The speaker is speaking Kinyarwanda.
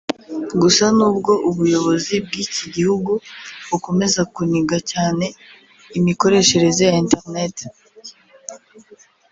Gusa n’ubwo ubuyobozi bw’iki gihugu bukomeza kuniga cyane imikoreshereze ya internet